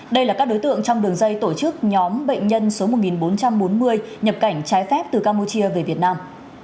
đây là các đối tượng trong đường dây tổ chức nhóm bệnh nhân số một nghìn bốn trăm bốn mươi nhập cảnh trái phép từ campuchia về việt nam